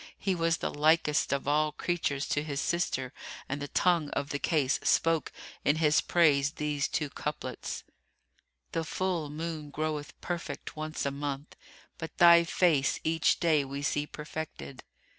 He was the likest of all creatures to his sister and the tongue of the case spoke in his praise these two couplets, "The full moon groweth perfect once a month * But thy face each day we see perfectèd.